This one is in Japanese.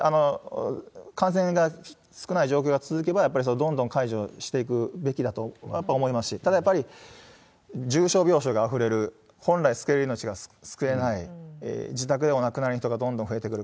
感染が少ない状況が続けば、やっぱりどんどん解除していくべきだと思いますし、ただやっぱり、重症病床があふれる、本来救える命が救えない、自宅でお亡くなりになる人がどんどん増えてくる。